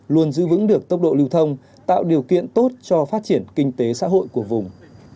luôn giữ vững được tốc độ lưu thông tạo điều kiện tốt cho phát triển kinh tế xã hội của vùng